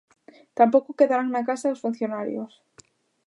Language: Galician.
Tampouco quedarán na casa os funcionarios.